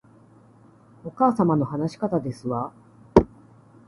お母様の話し方ですわ